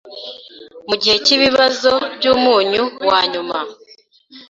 Mugihe cyibibazo byumunyu wa nyuma